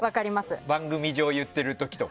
番組上、言ってる時とか。